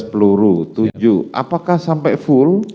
tujuh belas peluru tujuh apakah sampai full